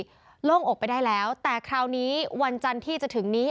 โล่งอกไปได้แล้วแต่คราวนี้วันจันทร์ที่จะถึงนี้